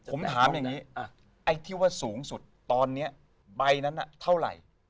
ผมถามอย่างนี้ไอ้ที่ว่าสูงสุดตอนนี้ใบนั้นเท่าไหร่